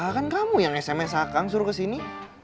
kan kamu yang sms hakang suruh kesini